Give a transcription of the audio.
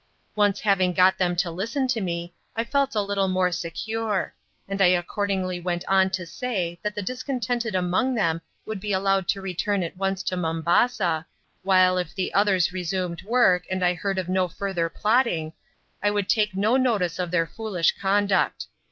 Once having got them to listen to me, I felt a little more secure, and I accordingly went on to say that the discontented among them would be allowed to return at once to Mombasa, while if the others resumed work and I heard of no further plotting, I would take no notice of their foolish conduct.